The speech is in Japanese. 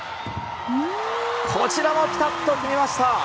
こちらもピタッと決めました。